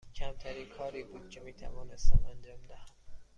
کمترین کاری بود که می توانستم انجام دهم.